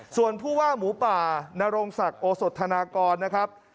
ส่วนผู้ว่าหมูป่านรงศักดิ์โอสธนากรนะครับ